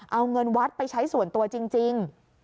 เอาเงินวัดไปใช้ส่วนตัวจริง